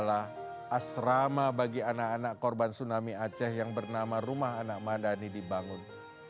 asrama bagi anak anak korban tsunami aceh yang bernama rumah anak madani dibangun